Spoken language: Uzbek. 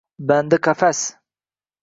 Bandi qafas